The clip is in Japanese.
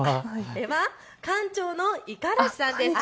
館長の五十嵐さんです。